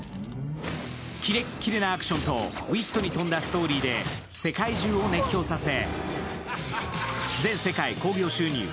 キレッキレのアクションとウィットに富んだストーリーで世界中を熱狂させた。